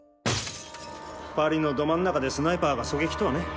パリのど真ん中でスナイパーが狙撃とはね。